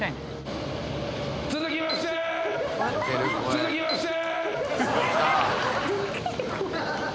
続きまして！